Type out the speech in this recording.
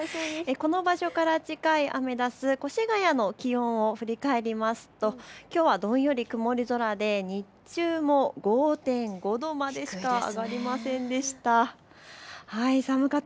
この場所から近いアメダス、越谷の気温を振り返りますときょうはどんより曇り空で日中も５．５度までしか上がりませんでした。